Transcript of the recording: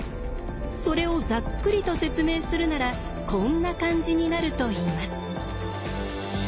それをざっくりと説明するならこんな感じになるといいます。